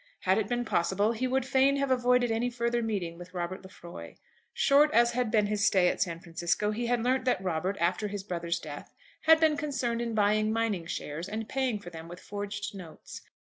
Had it been possible, he would fain have avoided any further meeting with Robert Lefroy. Short as had been his stay at San Francisco he had learnt that Robert, after his brother's death, had been concerned in buying mining shares and paying for them with forged notes.